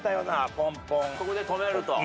ここでとめると。